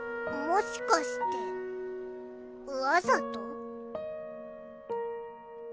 もしかしてわざと？